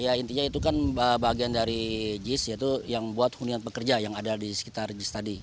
ya intinya itu kan bagian dari jis yaitu yang buat hunian pekerja yang ada di sekitar jis tadi